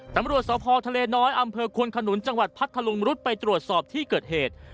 ตำรวจสพทะเลน้อยอำเภอควนขนุนจังหวัดพัทธลุงรุดไปตรวจสอบที่เกิดเหตุ